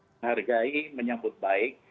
menghargai menyambut baik